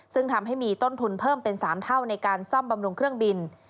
ซึ่งทำให้มีต้นทุนเพิ่มเป็น๓เท่าในการซ่อมบำรุงเครื่องบิน